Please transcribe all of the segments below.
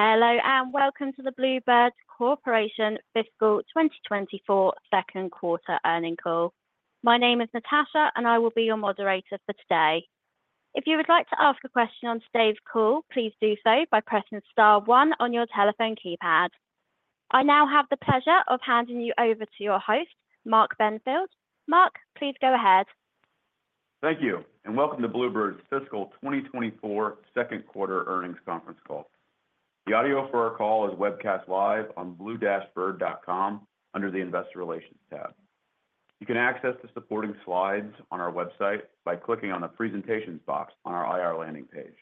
Hello, and welcome to the Blue Bird Corporation fiscal 2024 second quarter earnings call. My name is Natasha, and I will be your moderator for today. If you would like to ask a question on today's call, please do so by pressing star one on your telephone keypad. I now have the pleasure of handing you over to your host, Mark Benfield. Mark, please go ahead. Thank you, and welcome to Blue Bird's Fiscal 2024 second quarter earnings conference call. The audio for our call is webcast live on blue-bird.com under the Investor Relations tab. You can access the supporting slides on our website by clicking on the Presentations box on our IR landing page.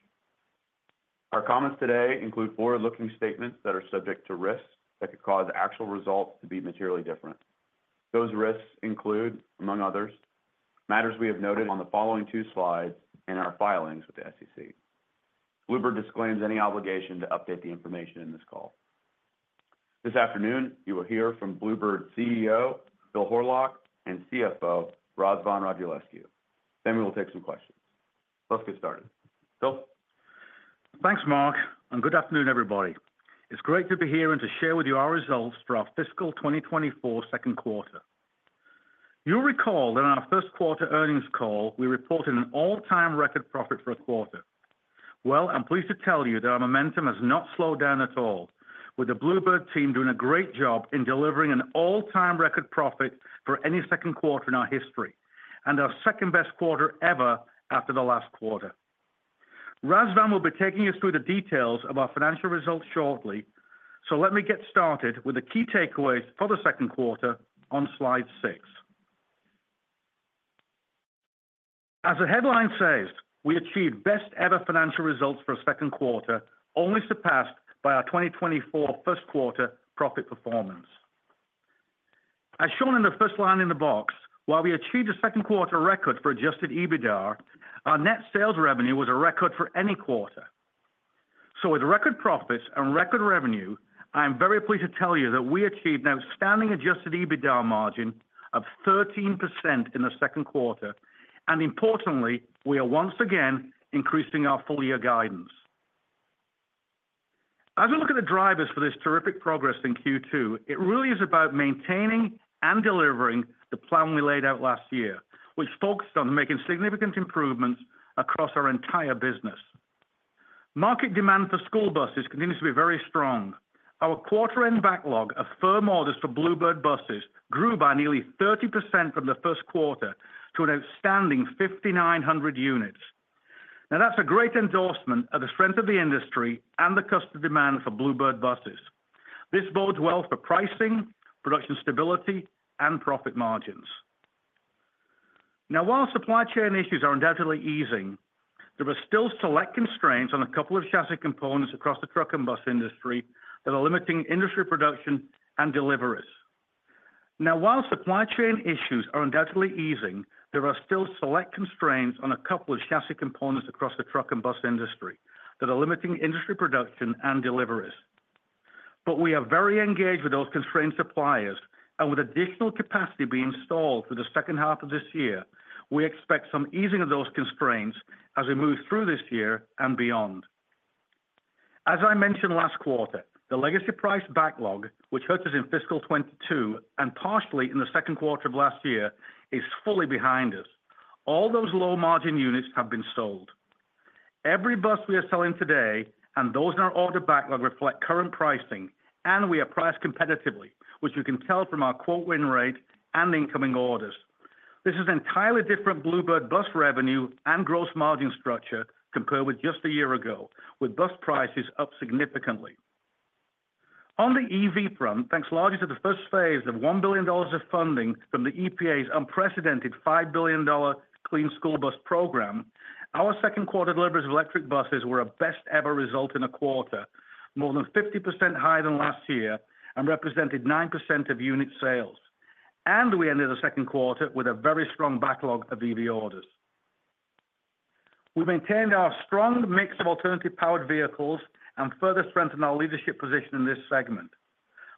Our comments today include forward-looking statements that are subject to risks that could cause actual results to be materially different. Those risks include, among others, matters we have noted on the following two slides in our filings with the SEC. Blue Bird disclaims any obligation to update the information in this call. This afternoon, you will hear from Blue Bird's CEO, Phil Horlock, and CFO, Razvan Radulescu. Then we will take some questions. Let's get started. Phil? Thanks, Mark, and good afternoon, everybody. It's great to be here and to share with you our results for our fiscal 2024 second quarter. You'll recall that on our first quarter earnings call, we reported an all-time record profit for a quarter. Well, I'm pleased to tell you that our momentum has not slowed down at all, with the Blue Bird team doing a great job in delivering an all-time record profit for any second quarter in our history, and our second-best quarter ever after the last quarter. Razvan will be taking us through the details of our financial results shortly. So let me get started with the key takeaways for the second quarter on Slide six. As the headline says, we achieved best ever financial results for a second quarter, only surpassed by our 2024 first quarter profit performance. As shown in the first line in the box, while we achieved a second quarter record for Adjusted EBITDA, our net sales revenue was a record for any quarter. So with record profits and record revenue, I am very pleased to tell you that we achieved an outstanding Adjusted EBITDA margin of 13% in the second quarter, and importantly, we are once again increasing our full-year guidance. As we look at the drivers for this terrific progress in Q2, it really is about maintaining and delivering the plan we laid out last year, which focused on making significant improvements across our entire business. Market demand for school buses continues to be very strong. Our quarter-end backlog of firm orders for Blue Bird buses grew by nearly 30% from the first quarter to an outstanding 5,900 units. Now, that's a great endorsement of the strength of the industry and the customer demand for Blue Bird buses. This bodes well for pricing, production stability, and profit margins. Now, while supply chain issues are undoubtedly easing, there are still select constraints on a couple of chassis components across the truck and bus industry that are limiting industry production and deliveries. Now, while supply chain issues are undoubtedly easing, there are still select constraints on a couple of chassis components across the truck and bus industry that are limiting industry production and deliveries. But we are very engaged with those constrained suppliers, and with additional capacity being installed for the second half of this year, we expect some easing of those constraints as we move through this year and beyond. As I mentioned last quarter, the legacy price backlog, which hurt us in fiscal 2022 and partially in the second quarter of last year, is fully behind us. All those low-margin units have been sold. Every bus we are selling today, and those in our order backlog reflect current pricing, and we are priced competitively, which you can tell from our quote win rate and incoming orders. This is an entirely different Blue Bird bus revenue and gross margin structure compared with just a year ago, with bus prices up significantly. On the EV front, thanks largely to the first phase of $1 billion of funding from the EPA's unprecedented $5 billion Clean School Bus Program, our second quarter deliveries of electric buses were a best ever result in a quarter, more than 50% higher than last year and represented 9% of unit sales. We ended the second quarter with a very strong backlog of EV orders. We maintained our strong mix of alternative powered vehicles and further strengthened our leadership position in this segment.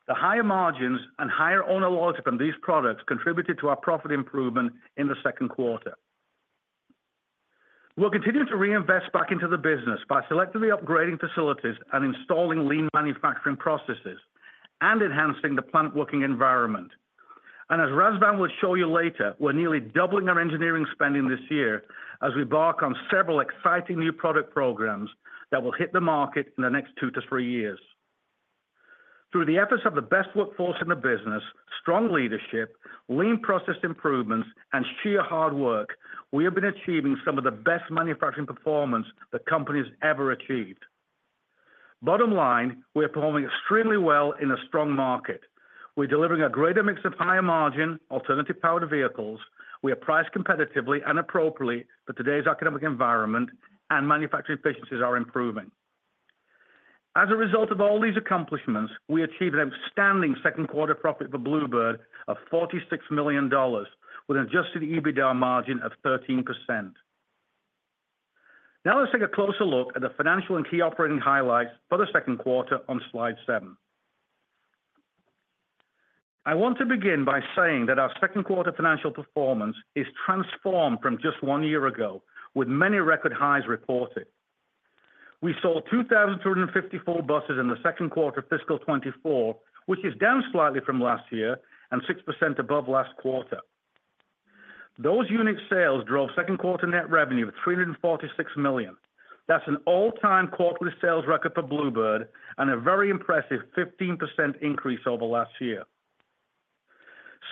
The higher margins and higher owner loyalty from these products contributed to our profit improvement in the second quarter. We'll continue to reinvest back into the business by selectively upgrading facilities and installing lean manufacturing processes and enhancing the plant working environment. As Razvan will show you later, we're nearly doubling our engineering spending this year as we embark on several exciting new product programs that will hit the market in the next two-three years. Through the efforts of the best workforce in the business, strong leadership, lean process improvements, and sheer hard work, we have been achieving some of the best manufacturing performance the company has ever achieved. Bottom line, we are performing extremely well in a strong market. We're delivering a greater mix of higher-margin alternative powered vehicles. We are priced competitively and appropriately for today's economic environment, and manufacturing efficiencies are improving. As a result of all these accomplishments, we achieved an outstanding second quarter profit for Blue Bird of $46 million, with an Adjusted EBITDA margin of 13%. Now, let's take a closer look at the financial and key operating highlights for the second quarter on Slide seven. I want to begin by saying that our second quarter financial performance is transformed from just one year ago, with many record highs reported. We sold 2,354 buses in the second quarter of fiscal 2024, which is down slightly from last year and 6% above last quarter. Those unit sales drove second quarter net revenue of $346 million. That's an all-time quarterly sales record for Blue Bird and a very impressive 15% increase over last year.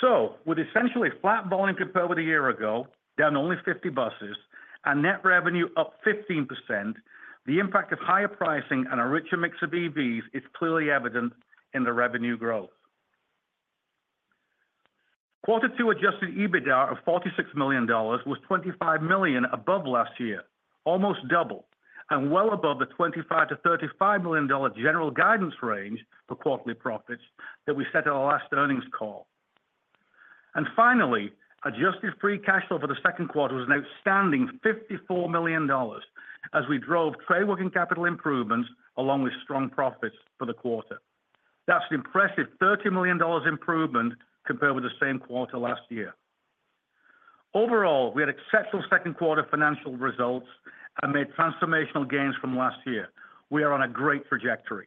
So with essentially flat volume compared with a year ago, down only 50 buses, and net revenue up 15%, the impact of higher pricing and a richer mix of EVs is clearly evident in the revenue growth. Quarter two Adjusted EBITDA of $46 million was $25 million above last year, almost double, and well above the $25 million-$35 million dollar general guidance range for quarterly profits that we set on our last earnings call. And finally, adjusted free cash flow for the second quarter was an outstanding $54 million as we drove working capital improvements along with strong profits for the quarter. That's an impressive $30 million improvement compared with the same quarter last year. Overall, we had exceptional second quarter financial results and made transformational gains from last year. We are on a great trajectory.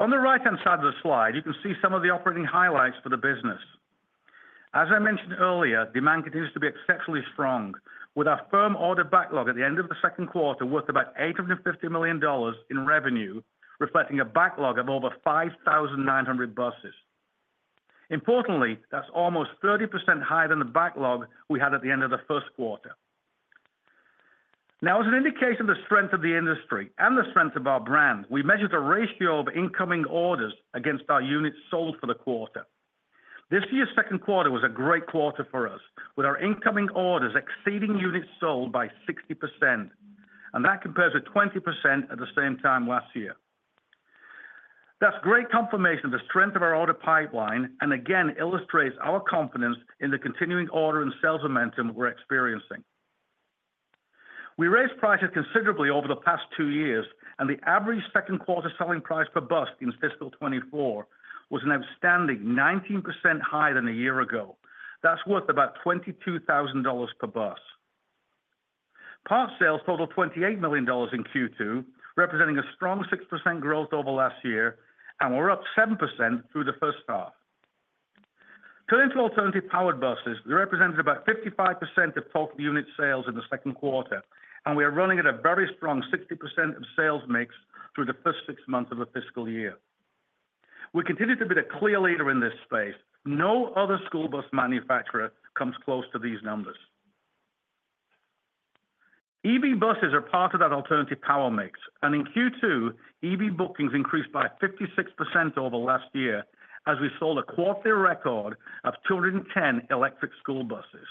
On the right-hand side of the slide, you can see some of the operating highlights for the business. As I mentioned earlier, demand continues to be exceptionally strong, with our firm order backlog at the end of the second quarter worth about $850 million in revenue, reflecting a backlog of over 5,900 buses. Importantly, that's almost 30% higher than the backlog we had at the end of the first quarter. Now, as an indication of the strength of the industry and the strength of our brand, we measured a ratio of incoming orders against our units sold for the quarter. This year's second quarter was a great quarter for us, with our incoming orders exceeding units sold by 60%, and that compares with 20% at the same time last year. That's great confirmation of the strength of our order pipeline, and again, illustrates our confidence in the continuing order and sales momentum we're experiencing. We raised prices considerably over the past two years, and the average second quarter selling price per bus in fiscal 2024 was an outstanding 19% higher than a year ago. That's worth about $22,000 per bus. Parts sales totaled $28 million in Q2, representing a strong 6% growth over last year, and we're up 7% through the first half. Turning to alternative-powered buses, they represented about 55% of total unit sales in the second quarter, and we are running at a very strong 60% of sales mix through the first six months of the fiscal year. We continue to be the clear leader in this space. No other school bus manufacturer comes close to these numbers. EV buses are part of that alternative power mix, and in Q2, EV bookings increased by 56% over last year as we sold a quarterly record of 210 electric school buses.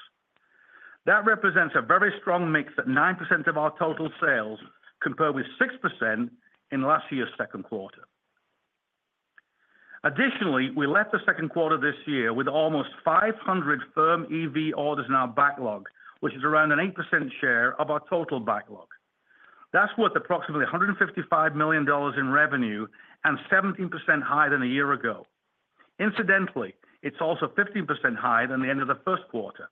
That represents a very strong mix at 9% of our total sales, compared with 6% in last year's second quarter. Additionally, we left the second quarter this year with almost 500 firm EV orders in our backlog, which is around an 8% share of our total backlog. That's worth approximately $155 million in revenue and 17% higher than a year ago. Incidentally, it's also 15% higher than the end of the first quarter.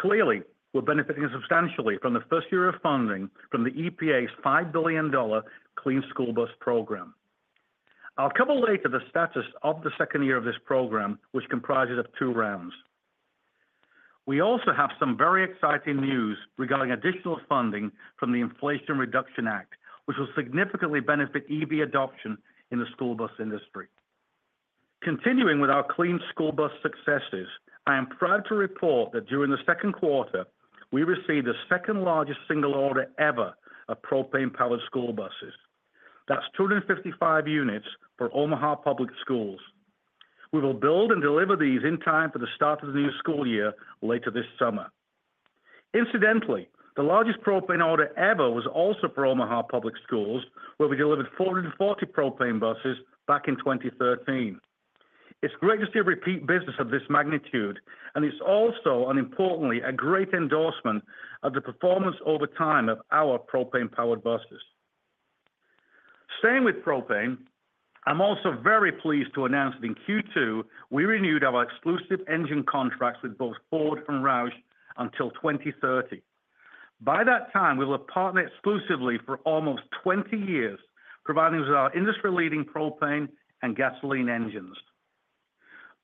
Clearly, we're benefiting substantially from the first year of funding from the EPA's $5 billion Clean School Bus Program. I'll come up later to the status of the second year of this program, which comprises of two rounds. We also have some very exciting news regarding additional funding from the Inflation Reduction Act, which will significantly benefit EV adoption in the school bus industry. Continuing with our Clean School Bus successes, I am proud to report that during the second quarter, we received the second-largest single order ever of propane-powered school buses. That's 255 units for Omaha Public Schools. We will build and deliver these in time for the start of the new school year later this summer. Incidentally, the largest propane order ever was also for Omaha Public Schools, where we delivered 440 propane buses back in 2013. It's great to see a repeat business of this magnitude, and it's also, and importantly, a great endorsement of the performance over time of our propane-powered buses. Staying with propane, I'm also very pleased to announce that in Q2, we renewed our exclusive engine contracts with both Ford and Roush until 2030. By that time, we will have partnered exclusively for almost 20 years, providing us with our industry-leading propane and gasoline engines.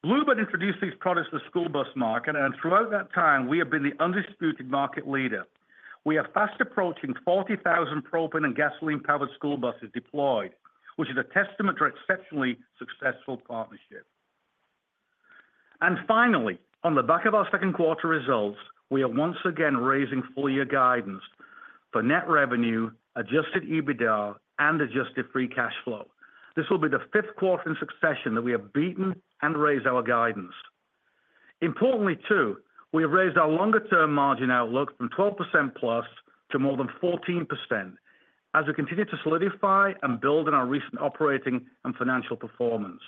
Blue Bird introduced these products to the school bus market, and throughout that time, we have been the undisputed market leader. We are fast approaching 40,000 propane and gasoline-powered school buses deployed, which is a testament to our exceptionally successful partnership. Finally, on the back of our second quarter results, we are once again raising full year guidance for net revenue, adjusted EBITDA, and adjusted free cash flow. This will be the fifth quarter in succession that we have beaten and raised our guidance. Importantly, too, we have raised our longer-term margin outlook from 12%+ to more than 14% as we continue to solidify and build on our recent operating and financial performance.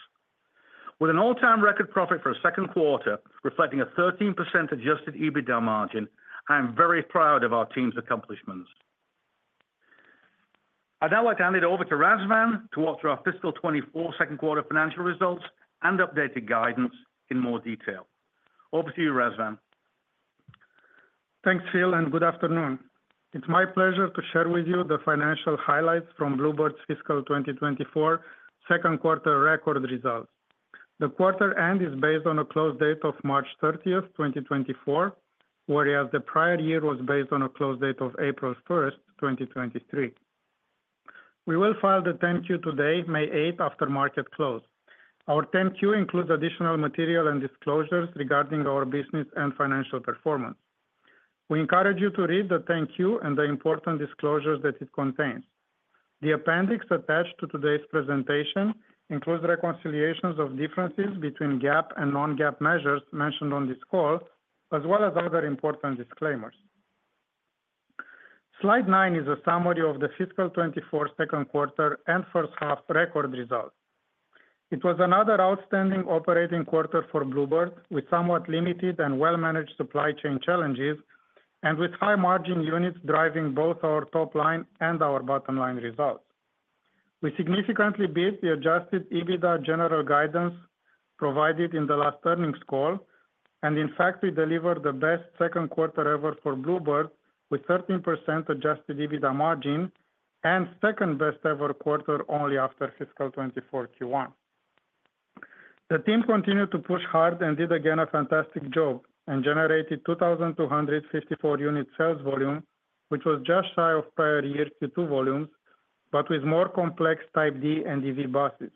With an all-time record profit for a second quarter, reflecting a 13% adjusted EBITDA margin, I am very proud of our team's accomplishments. I'd now like to hand it over to Razvan to walk through our fiscal 2024 second quarter financial results and updated guidance in more detail. Over to you, Razvan. Thanks, Phil, and good afternoon. It's my pleasure to share with you the financial highlights from Blue Bird's fiscal 2024 second quarter record results. The quarter end is based on a close date of March 30th, 2024, whereas the prior year was based on a close date of April 1st, 2023. We will file the 10-Q today, May 8th, after market close. Our 10-Q includes additional material and disclosures regarding our business and financial performance. We encourage you to read the 10-Q and the important disclosures that it contains. The appendix attached to today's presentation includes reconciliations of differences between GAAP and non-GAAP measures mentioned on this call, as well as other important disclaimers. Slide nine is a summary of the fiscal 2024 second quarter and first half record results. It was another outstanding operating quarter for Blue Bird, with somewhat limited and well-managed supply chain challenges, and with high-margin units driving both our top line and our bottom line results. We significantly beat the adjusted EBITDA general guidance provided in the last earnings call, and in fact, we delivered the best second quarter ever for Blue Bird, with 13% adjusted EBITDA margin and second best ever quarter, only after fiscal 2024 Q1. The team continued to push hard and did again, a fantastic job and generated 2,254 unit sales volume, which was just shy of prior year Q2 volumes, but with more complex Type D and EV buses.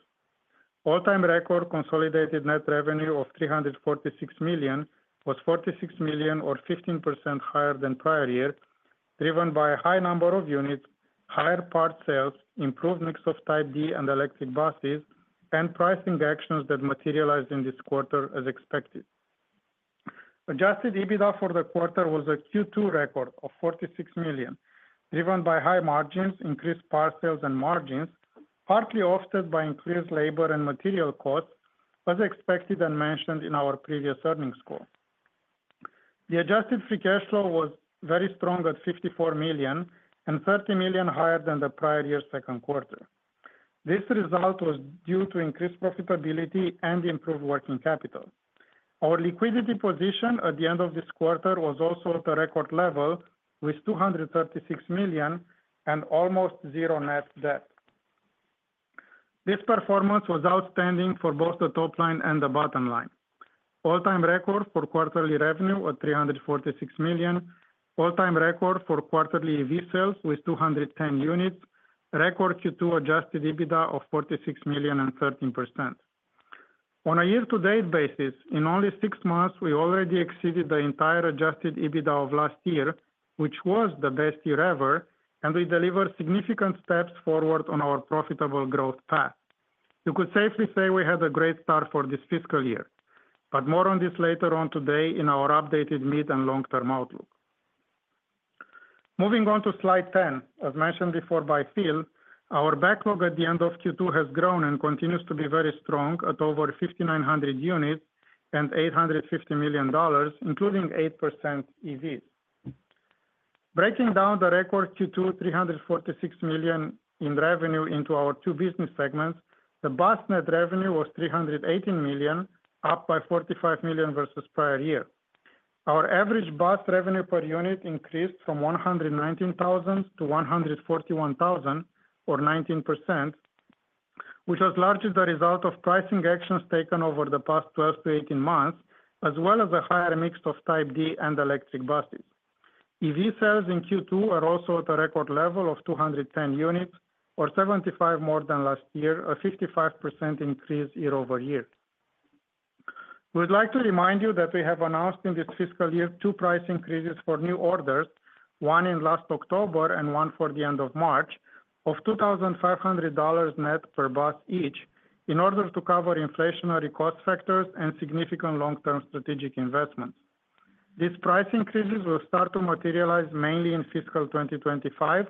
All-time record consolidated net revenue of $346 million was $46 million, or 15% higher than prior year, driven by a high number of units, higher part sales, improved mix of Type D and electric buses, and pricing actions that materialized in this quarter as expected. Adjusted EBITDA for the quarter was a Q2 record of $46 million, driven by high margins, increased part sales and margins, partly offset by increased labor and material costs, as expected and mentioned in our previous earnings call. The adjusted free cash flow was very strong at $54 million and $30 million higher than the prior year's second quarter. This result was due to increased profitability and improved working capital. Our liquidity position at the end of this quarter was also at a record level, with $236 million and almost zero net debt. This performance was outstanding for both the top line and the bottom line. All-time record for quarterly revenue at $346 million. All-time record for quarterly EV sales with 210 units. Record Q2 adjusted EBITDA of $46 million and 13%. On a year-to-date basis, in only six months, we already exceeded the entire adjusted EBITDA of last year, which was the best year ever, and we delivered significant steps forward on our profitable growth path. You could safely say we had a great start for this fiscal year, but more on this later on today in our updated mid and long-term outlook. Moving on to Slide 10. As mentioned before by Phil, our backlog at the end of Q2 has grown and continues to be very strong at over 5,900 units and $850 million, including 8% EVs. Breaking down the record Q2, $346 million in revenue into our two business segments, the bus net revenue was $318 million, up by $45 million versus prior year. Our average bus revenue per unit increased from $119,000 to $141,000 or 19%, which was largely the result of pricing actions taken over the past 12-18 months, as well as a higher mix of Type D and electric buses. EV sales in Q2 are also at a record level of 210 units, or 75 more than last year, a 55% increase year-over-year. We'd like to remind you that we have announced in this fiscal year two price increases for new orders, one in last October and one for the end of March, of $2,500 net per bus each, in order to cover inflationary cost factors and significant long-term strategic investments. These price increases will start to materialize mainly in fiscal 2025,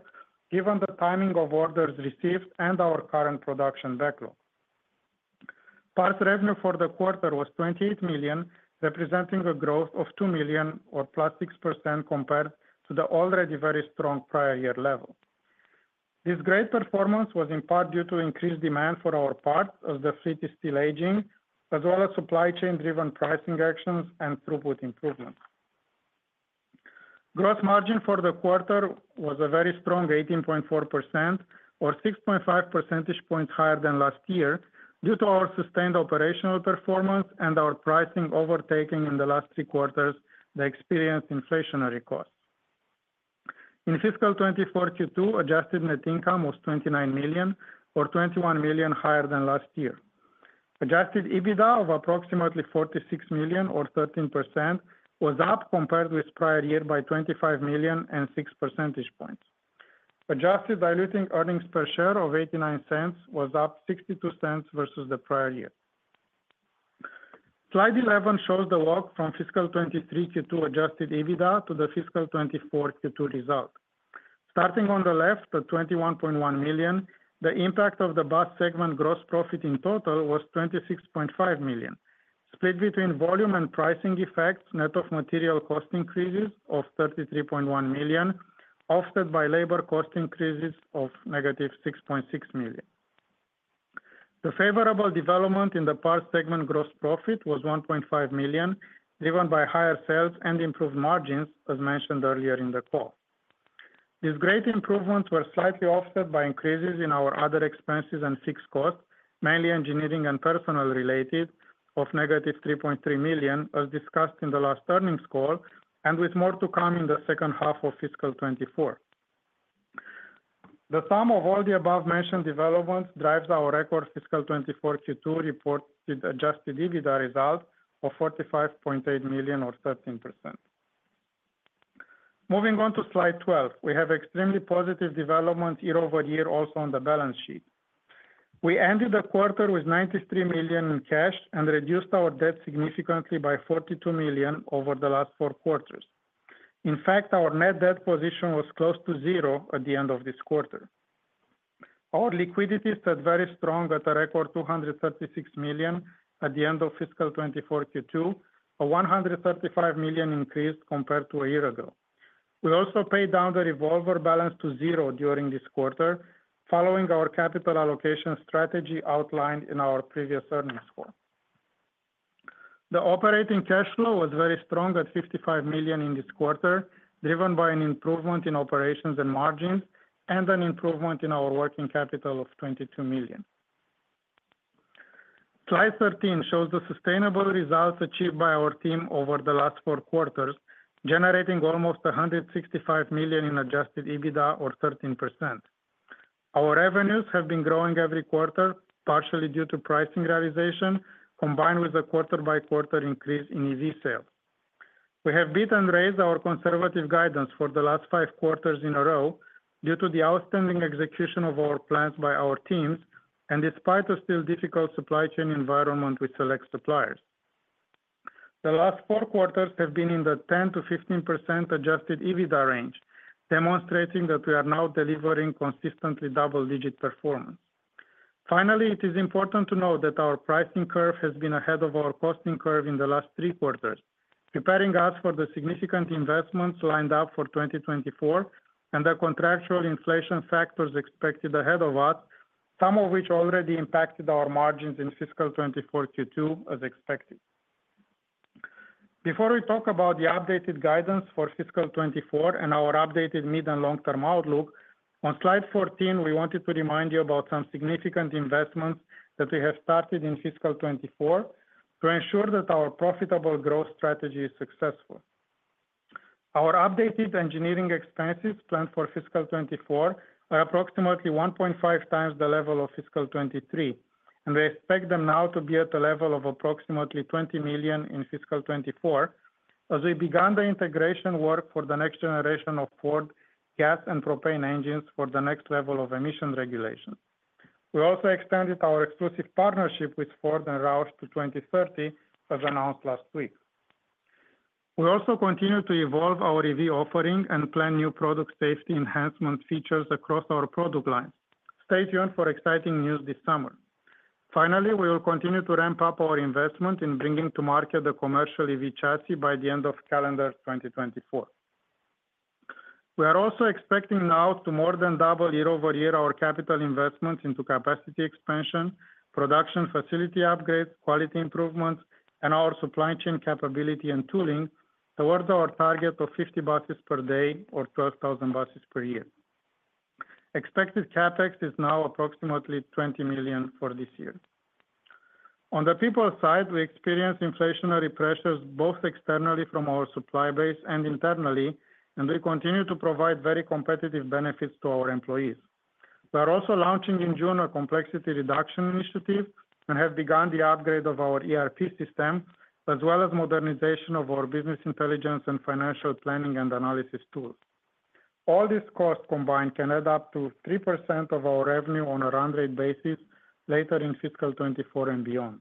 given the timing of orders received and our current production backlog. Parts revenue for the quarter was $28 million, representing a growth of $2 million or +6% compared to the already very strong prior year level. This great performance was in part due to increased demand for our parts as the fleet is still aging, as well as supply chain-driven pricing actions and throughput improvements. Gross margin for the quarter was a very strong 18.4% or 6.5 percentage points higher than last year, due to our sustained operational performance and our pricing overtaking in the last three quarters, the experienced inflationary costs. In fiscal 2024 Q2, adjusted net income was $29 million or $21 million higher than last year. Adjusted EBITDA of approximately $46 million or 13% was up compared with prior year by $25 million and 6 percentage points. Adjusted diluted earnings per share of $0.89 was up $0.62 versus the prior year. Slide 11 shows the walk from fiscal 2023 Q2 adjusted EBITDA to the fiscal 2024 Q2 result. Starting on the left at $21.1 million, the impact of the bus segment gross profit in total was $26.5 million.... Split between volume and pricing effects, net of material cost increases of $33.1 million, offset by labor cost increases of -$6.6 million. The favorable development in the parts segment gross profit was $1.5 million, driven by higher sales and improved margins, as mentioned earlier in the call. These great improvements were slightly offset by increases in our other expenses and fixed costs, mainly engineering and personnel related, of -$3.3 million, as discussed in the last earnings call, and with more to come in the second half of fiscal 2024. The sum of all the above-mentioned developments drives our record fiscal 2024 Q2 reported adjusted EBITDA result of $45.8 million or 13%. Moving on to Slide 12. We have extremely positive development year-over-year also on the balance sheet. We ended the quarter with $93 million in cash and reduced our debt significantly by $42 million over the last four quarters. In fact, our net debt position was close to zero at the end of this quarter. Our liquidity stood very strong at a record $236 million at the end of fiscal 2024 Q2, a $135 million increase compared to a year ago. We also paid down the revolver balance to zero during this quarter, following our capital allocation strategy outlined in our previous earnings call. The operating cash flow was very strong at $55 million in this quarter, driven by an improvement in operations and margins, and an improvement in our working capital of $22 million. Slide 13 shows the sustainable results achieved by our team over the last four quarters, generating almost $165 million in adjusted EBITDA or 13%. Our revenues have been growing every quarter, partially due to pricing realization, combined with a quarter-by-quarter increase in EV sales. We have beat and raised our conservative guidance for the last five quarters in a row due to the outstanding execution of our plans by our teams, and despite a still difficult supply chain environment with select suppliers. The last four quarters have been in the 10%-15% adjusted EBITDA range, demonstrating that we are now delivering consistently double-digit performance. Finally, it is important to note that our pricing curve has been ahead of our costing curve in the last three quarters, preparing us for the significant investments lined up for 2024 and the contractual inflation factors expected ahead of us, some of which already impacted our margins in fiscal 2024 Q2 as expected. Before we talk about the updated guidance for fiscal 2024 and our updated mid and long-term outlook, on Slide 14, we wanted to remind you about some significant investments that we have started in fiscal 2024 to ensure that our profitable growth strategy is successful. Our updated engineering expenses planned for fiscal 2024 are approximately 1.5 times the level of fiscal 2023, and we expect them now to be at a level of approximately $20 million in fiscal 2024, as we began the integration work for the next generation of Ford gas and propane engines for the next level of emission regulations. We also expanded our exclusive partnership with Ford and Roush to 2030, as announced last week. We also continue to evolve our EV offering and plan new product safety enhancement features across our product lines. Stay tuned for exciting news this summer. Finally, we will continue to ramp up our investment in bringing to market the commercial EV chassis by the end of calendar 2024. We are also expecting now to more than double year-over-year our capital investments into capacity expansion, production, facility upgrades, quality improvements, and our supply chain capability and tooling towards our target of 50 buses per day or 12,000 buses per year. Expected CapEx is now approximately $20 million for this year. On the people side, we experienced inflationary pressures, both externally from our supply base and internally, and we continue to provide very competitive benefits to our employees. We are also launching in June a complexity reduction initiative and have begun the upgrade of our ERP system, as well as modernization of our business intelligence and financial planning and analysis tools. All these costs combined can add up to 3% of our revenue on a run rate basis later in fiscal 2024 and beyond.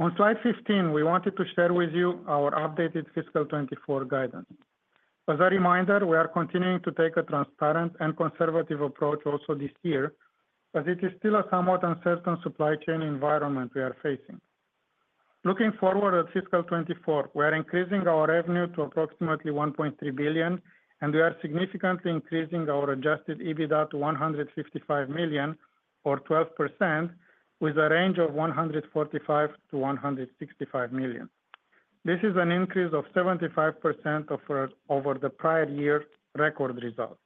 On Slide 15, we wanted to share with you our updated fiscal 2024 guidance. As a reminder, we are continuing to take a transparent and conservative approach also this year, as it is still a somewhat uncertain supply chain environment we are facing. Looking forward at fiscal 2024, we are increasing our revenue to approximately $1.3 billion, and we are significantly increasing our Adjusted EBITDA to $155 million or 12%, with a range of $145 million-$165 million. This is an increase of 75% over the prior year's record results.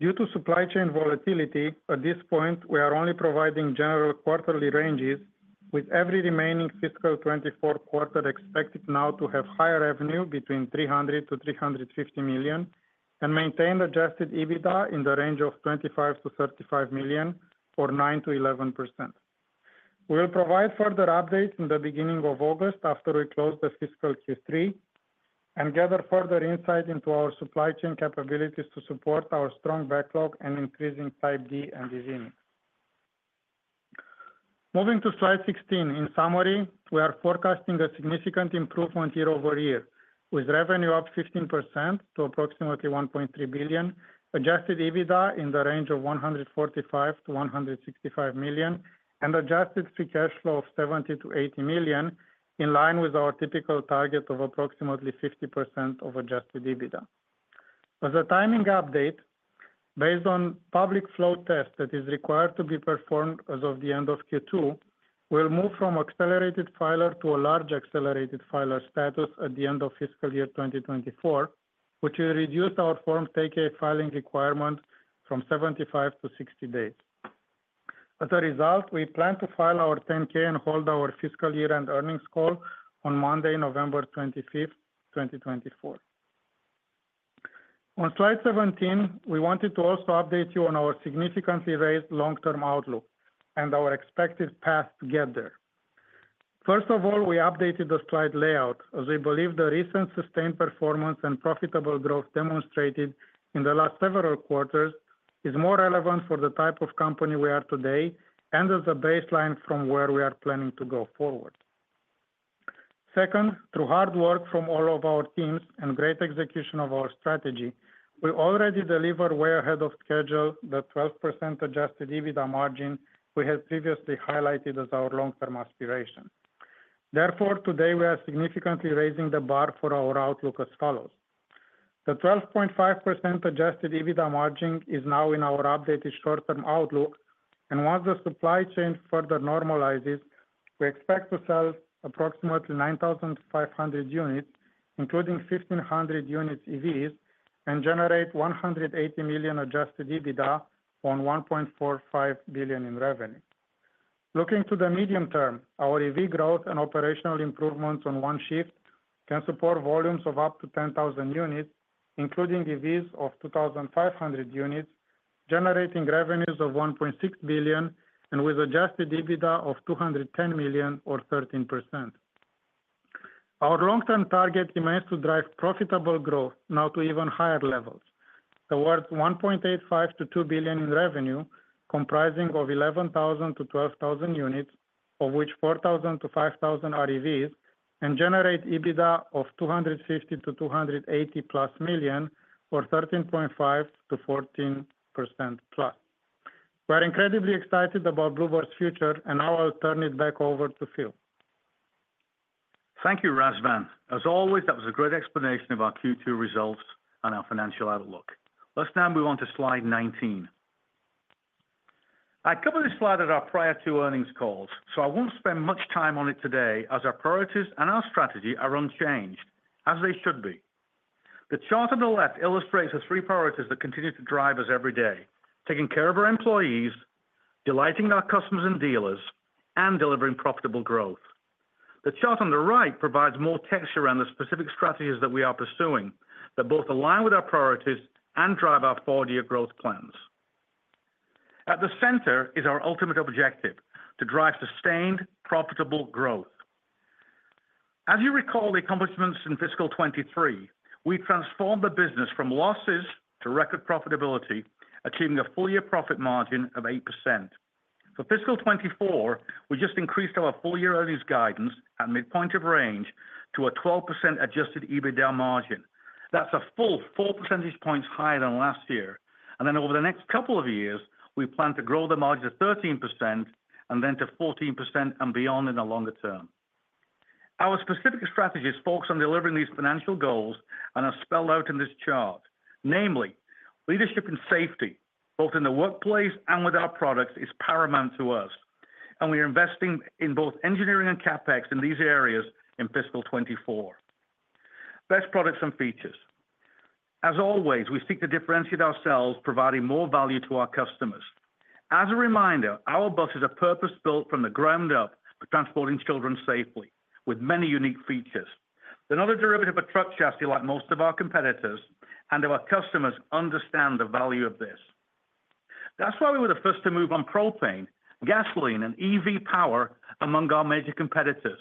Due to supply chain volatility, at this point, we are only providing general quarterly ranges with every remaining fiscal 2024 quarter expected now to have higher revenue between $300 million-$350 million, and maintain adjusted EBITDA in the range of $25 million-$35 million or 9%-11%. We will provide further updates in the beginning of August after we close the fiscal Q3 and gather further insight into our supply chain capabilities to support our strong backlog and increasing Type D and D-ZENIQ.... Moving to Slide 16, in summary, we are forecasting a significant improvement year-over-year, with revenue up 15% to approximately $1.3 billion, adjusted EBITDA in the range of $145 million-$165 million, and adjusted free cash flow of $70 million-$80 million, in line with our typical target of approximately 50% of adjusted EBITDA. As a timing update, based on public float test that is required to be performed as of the end of Q2, we'll move from accelerated filer to a large accelerated filer status at the end of fiscal year 2024, which will reduce our Form 10-K filing requirement from 75 to 60 days. As a result, we plan to file our 10-K and hold our fiscal year-end earnings call on Monday, November 25th, 2024. On Slide 17, we wanted to also update you on our significantly raised long-term outlook and our expected path to get there. First of all, we updated the slide layout, as we believe the recent sustained performance and profitable growth demonstrated in the last several quarters is more relevant for the type of company we are today and as a baseline from where we are planning to go forward. Second, through hard work from all of our teams and great execution of our strategy, we already delivered way ahead of schedule, the 12% adjusted EBITDA margin we had previously highlighted as our long-term aspiration. Therefore, today, we are significantly raising the bar for our outlook as follows: The 12.5% adjusted EBITDA margin is now in our updated short-term outlook, and once the supply chain further normalizes, we expect to sell approximately 9,500 units, including 1,500 units EVs, and generate $180 million adjusted EBITDA on $1.45 billion in revenue. Looking to the medium term, our EV growth and operational improvements on one shift can support volumes of up to 10,000 units, including EVs of 2,500 units, generating revenues of $1.6 billion and with adjusted EBITDA of $210 million or 13%. Our long-term target remains to drive profitable growth now to even higher levels, towards $1.85 billion-$2 billion in revenue, comprising of 11,000-12,000 units, of which 4,000-5,000 are EVs, and generate EBITDA of $250 million-$280+ million, or 13.5%-14%+. We're incredibly excited about Blue Bird's future, and now I'll turn it back over to Phil. Thank you, Razvan. As always, that was a great explanation of our Q2 results and our financial outlook. Let's now move on to Slide 19. I covered this slide at our prior two earnings calls, so I won't spend much time on it today, as our priorities and our strategy are unchanged, as they should be. The chart on the left illustrates the three priorities that continue to drive us every day: taking care of our employees, delighting our customers and dealers, and delivering profitable growth. The chart on the right provides more texture around the specific strategies that we are pursuing, that both align with our priorities and drive our four-year growth plans. At the center is our ultimate objective, to drive sustained, profitable growth. As you recall, the accomplishments in fiscal 2023, we transformed the business from losses to record profitability, achieving a full year profit margin of 8%. For fiscal 2024, we just increased our full-year earnings guidance at midpoint of range to a 12% adjusted EBITDA margin. That's a full four percentage points higher than last year. And then over the next couple of years, we plan to grow the margin to 13% and then to 14% and beyond in the longer term. Our specific strategies focus on delivering these financial goals and are spelled out in this chart. Namely, leadership and safety, both in the workplace and with our products, is paramount to us, and we are investing in both engineering and CapEx in these areas in fiscal 2024. Best products and features. As always, we seek to differentiate ourselves, providing more value to our customers. As a reminder, our bus is a purpose-built from the ground up for transporting children safely, with many unique features. They're not a derivative of a truck chassis like most of our competitors, and our customers understand the value of this. That's why we were the first to move on propane, gasoline, and EV power among our major competitors.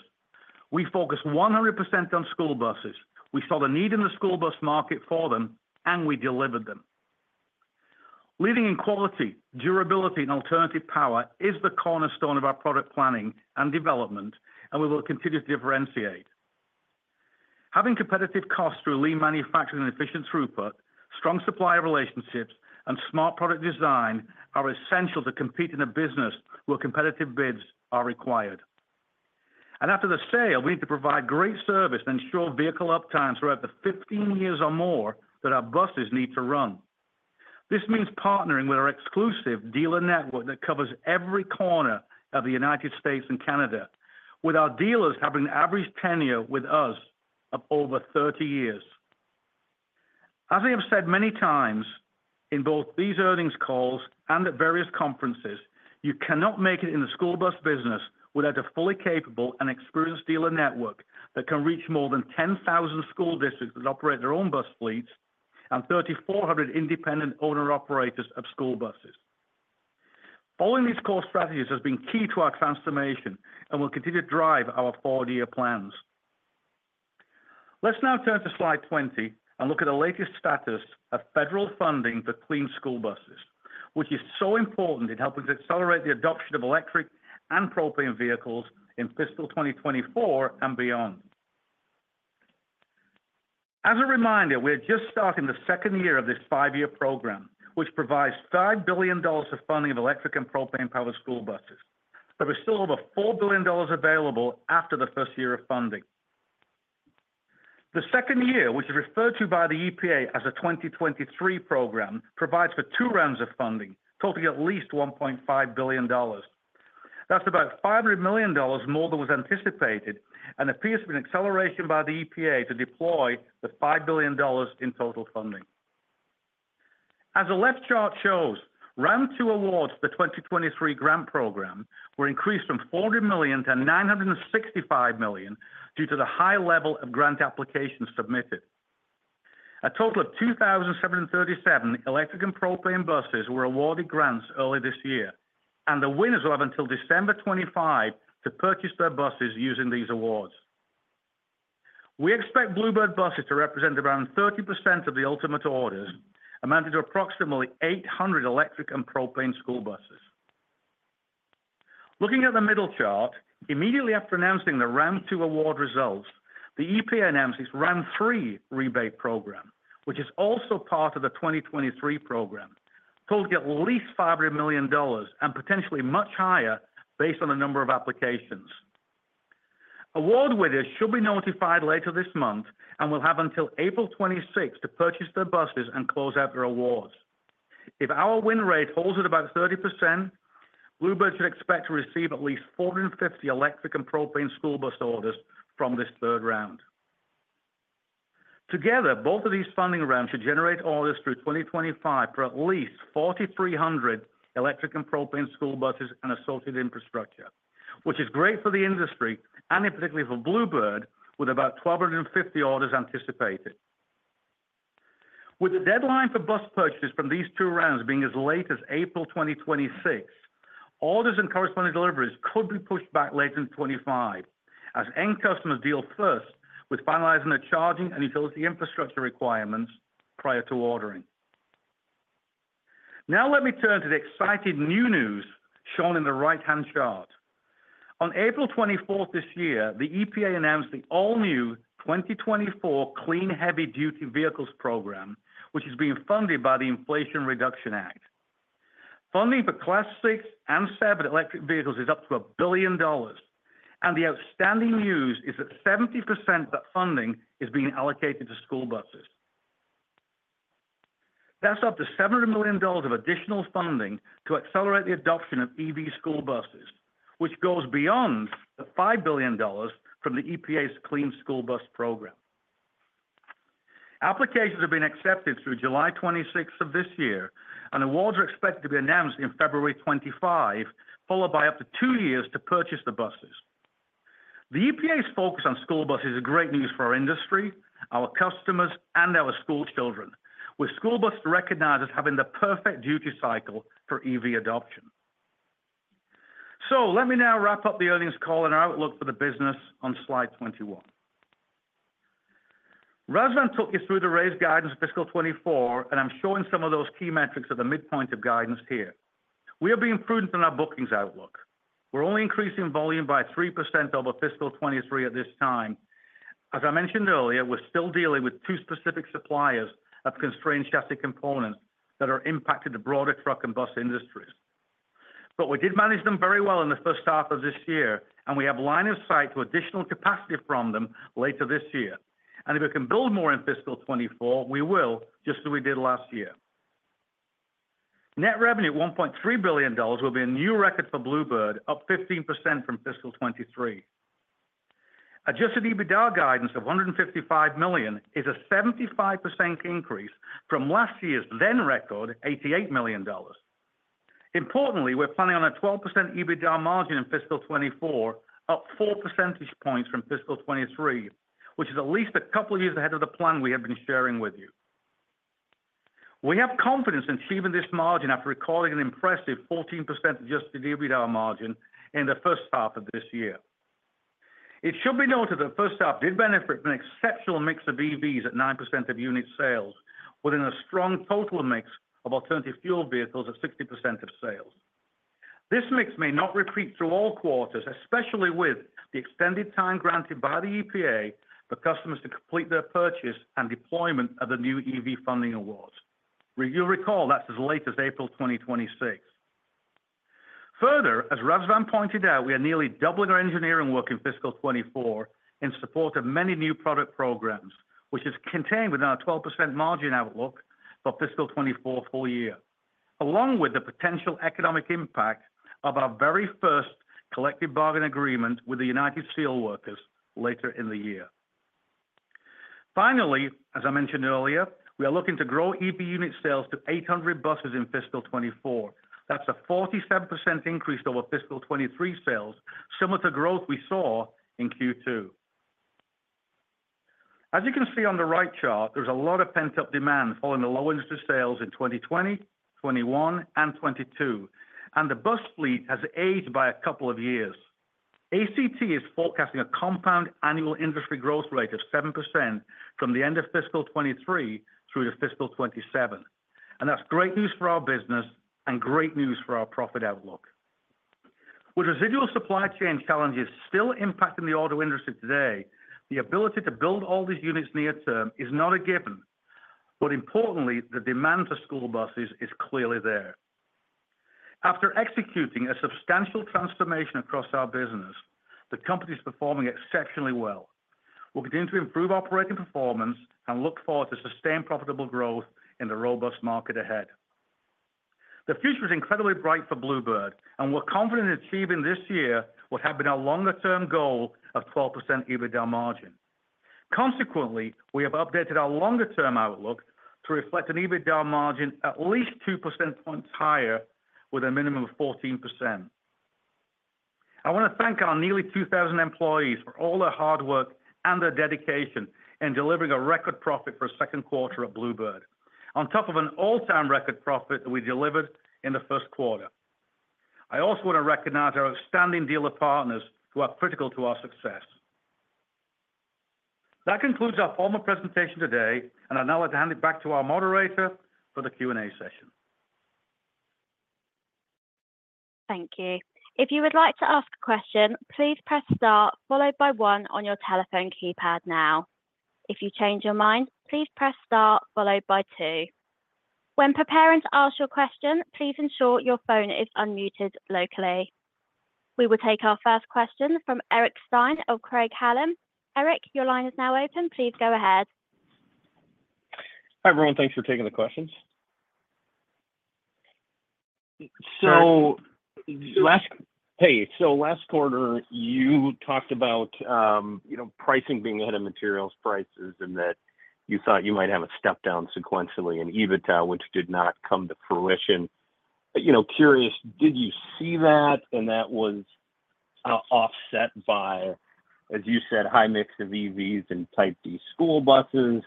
We focus 100% on school buses. We saw the need in the school bus market for them, and we delivered them. Leading in quality, durability, and alternative power is the cornerstone of our product planning and development, and we will continue to differentiate. Having competitive costs through lean manufacturing and efficient throughput, strong supplier relationships, and smart product design are essential to compete in a business where competitive bids are required. After the sale, we need to provide great service and ensure vehicle uptime throughout the 15 years or more that our buses need to run. This means partnering with our exclusive dealer network that covers every corner of the United States and Canada, with our dealers having an average tenure with us of over 30 years. As I have said many times in both these earnings calls and at various conferences, you cannot make it in the school bus business without a fully capable and experienced dealer network that can reach more than 10,000 school districts that operate their own bus fleets and 3,400 independent owner-operators of school buses. Following these core strategies has been key to our transformation and will continue to drive our 4-year plans. Let's now turn to Slide 20, and look at the latest status of federal funding for clean school buses, which is so important in helping to accelerate the adoption of electric and propane vehicles in fiscal 2024 and beyond. As a reminder, we're just starting the second year of this five-year program, which provides $5 billion of funding of electric and propane-powered school buses. There is still over $4 billion available after the first year of funding. The second year, which is referred to by the EPA as a 2023 program, provides for two rounds of funding, totaling at least $1.5 billion. That's about $500 million more than was anticipated, and appears to be an acceleration by the EPA to deploy the $5 billion in total funding. As the left chart shows, round two awards for the 2023 Grant Program were increased from $400 million to $965 million, due to the high level of grant applications submitted. A total of 2,737 electric and propane buses were awarded grants early this year, and the winners will have until December 2025 to purchase their buses using these awards. We expect Blue Bird buses to represent around 30% of the ultimate orders, amounting to approximately 800 electric and propane school buses. Looking at the middle chart, immediately after announcing the round two award results, the EPA announced its round three rebate program, which is also part of the 2023 program, totaling at least $500 million, and potentially much higher based on the number of applications. Award winners should be notified later this month, and will have until April 2026 to purchase their buses and close out their awards. If our win rate holds at about 30%, Blue Bird should expect to receive at least 450 electric and propane school bus orders from this third round. Together, both of these funding rounds should generate orders through 2025 for at least 4,300 electric and propane school buses and associated infrastructure, which is great for the industry, and in particular for Blue Bird, with about 1,250 orders anticipated. With the deadline for bus purchases from these two rounds being as late as April 2026, orders and corresponding deliveries could be pushed back later than 2025, as end customers deal first with finalizing their charging and utility infrastructure requirements prior to ordering. Now let me turn to the exciting new news shown in the right-hand chart. On April 24 this year, the EPA announced the all-new 2024 Clean Heavy-Duty Vehicles Program, which is being funded by the Inflation Reduction Act. Funding for Class 6 and 7 electric vehicles is up to $1 billion, and the outstanding news is that 70% of that funding is being allocated to school buses. That's up to $700 million of additional funding to accelerate the adoption of EV school buses, which goes beyond the $5 billion from the EPA's Clean School Bus Program. Applications are being accepted through July 26th of this year, and awards are expected to be announced in February 2025, followed by up to two years to purchase the buses. The EPA's focus on school buses is great news for our industry, our customers, and our schoolchildren, with school buses recognized as having the perfect duty cycle for EV adoption. So let me now wrap up the earnings call and our outlook for the business on Slide 21. Razvan took you through the raised guidance fiscal 2024, and I'm showing some of those key metrics at the midpoint of guidance here. We are being prudent in our bookings outlook. We're only increasing volume by 3% over fiscal 2023 at this time. As I mentioned earlier, we're still dealing with two specific suppliers of constrained chassis components that are impacting the broader truck and bus industries. But we did manage them very well in the first half of this year, and we have line of sight to additional capacity from them later this year. And if we can build more in fiscal 2024, we will, just as we did last year. Net revenue at $1.3 billion will be a new record for Blue Bird, up 15% from fiscal 2023. Adjusted EBITDA guidance of $155 million is a 75% increase from last year's then record, $88 million. Importantly, we're planning on a 12% EBITDA margin in fiscal 2024, up four percentage points from fiscal 2023, which is at least a couple of years ahead of the plan we have been sharing with you. We have confidence in achieving this margin after recording an impressive 14% adjusted EBITDA margin in the first half of this year. It should be noted that first half did benefit from an exceptional mix of EVs at 9% of unit sales, within a strong total mix of alternative fuel vehicles at 60% of sales. This mix may not repeat through all quarters, especially with the extended time granted by the EPA for customers to complete their purchase and deployment of the new EV funding awards. You'll recall, that's as late as April 2026. Further, as Razvan pointed out, we are nearly doubling our engineering work in fiscal 2024 in support of many new product programs, which is contained within our 12% margin outlook for fiscal 2024 full year, along with the potential economic impact of our very first collective bargaining agreement with the United Steelworkers later in the year. Finally, as I mentioned earlier, we are looking to grow EV unit sales to 800 buses in fiscal 2024. That's a 47% increase over fiscal 2023 sales, similar to growth we saw in Q2. As you can see on the right chart, there's a lot of pent-up demand following the lowest of sales in 2020, 2021, and 2022, and the bus fleet has aged by a couple of years... ACT is forecasting a compound annual industry growth rate of 7% from the end of fiscal 2023 through to fiscal 2027. And that's great news for our business and great news for our profit outlook. With residual supply chain challenges still impacting the auto industry today, the ability to build all these units near term is not a given, but importantly, the demand for school buses is clearly there. After executing a substantial transformation across our business, the company is performing exceptionally well. We're continuing to improve operating performance and look forward to sustained profitable growth in the robust market ahead. The future is incredibly bright for Blue Bird, and we're confident in achieving this year what had been our longer-term goal of 12% EBITDA margin. Consequently, we have updated our longer-term outlook to reflect an EBITDA margin at least 2 percentage points higher, with a minimum of 14%. I want to thank our nearly 2,000 employees for all their hard work and their dedication in delivering a record profit for a second quarter at Blue Bird, on top of an all-time record profit that we delivered in the first quarter. I also want to recognize our outstanding dealer partners, who are critical to our success. That concludes our formal presentation today, and I'd now like to hand it back to our moderator for the Q&A session. Thank you. If you would like to ask a question, please press star followed by one on your telephone keypad now. If you change your mind, please press star followed by two. When preparing to ask your question, please ensure your phone is unmuted locally. We will take our first question from Eric Stine of Craig-Hallum. Eric, your line is now open. Please go ahead. Hi, everyone. Thanks for taking the questions. So last quarter, you talked about, you know, pricing being ahead of materials prices and that you thought you might have a step down sequentially in EBITDA, which did not come to fruition. You know, curious, did you see that and that was offset by, as you said, high mix of EVs and Type D school buses?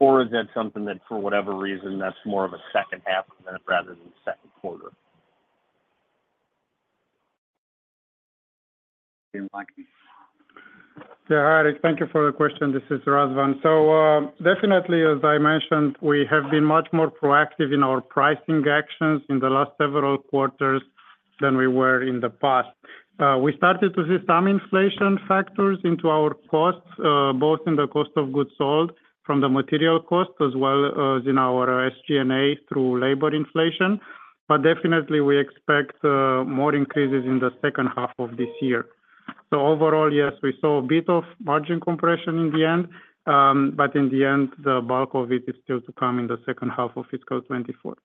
Or is that something that, for whatever reason, that's more of a second half event rather than second quarter? Yeah, Eric, thank you for the question. This is Razvan. So, definitely, as I mentioned, we have been much more proactive in our pricing actions in the last several quarters than we were in the past. We started to see some inflation factors into our costs, both in the cost of goods sold from the material costs, as well as in our SG&A through labor inflation. But definitely, we expect more increases in the second half of this year. So overall, yes, we saw a bit of margin compression in the end, but in the end, the bulk of it is still to come in the second half of fiscal 2024.